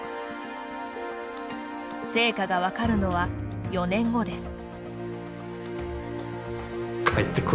成果が分かるのは４年後です。